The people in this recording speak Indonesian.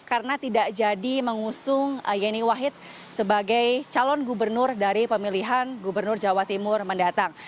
karena tidak jadi mengusung yeni wahid sebagai calon gubernur dari pemilihan gubernur jawa timur mendatang